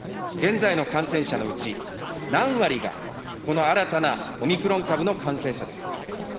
現在の感染者のうち、何割がこの新たなオミクロン株の感染者ですか。